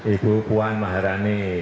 ibu puan maharani